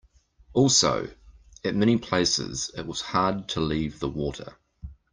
Also, at many places it was hard to leave the water.